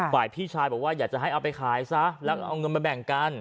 ฝ่ายพี่ชายบอกว่าอยากจะให้เอาไปขายซะแล้วก็เอาเงินมาแบ่งกัน